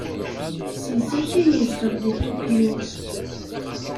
Seg zik ay yezdeɣ deg Tokyo.